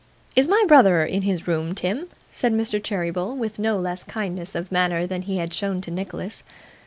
'Is my brother in his room, Tim?' said Mr. Cheeryble, with no less kindness of manner than he had shown to Nicholas.